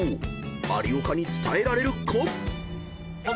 ［有岡に伝えられるか？］問題